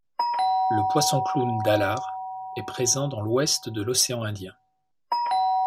Le Poisson-clown d'Allard est présent dans l'ouest de l'océan Indien.